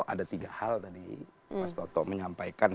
ada tiga hal tadi mas toto menyampaikan